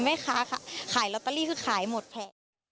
แม่ค้าขายลอตเตอรี่คือขายหมดแผง